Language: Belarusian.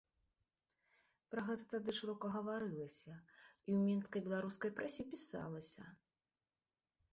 Пра гэта тады шырока гаварылася і ў менскай беларускай прэсе пісалася.